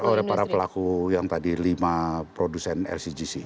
oleh para pelaku yang tadi lima produsen lcgc